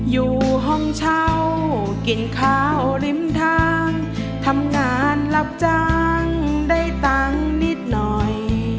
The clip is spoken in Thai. อยู่ห้องเช่ากินข้าวริมทางทำงานรับจ้างได้ตังค์นิดหน่อย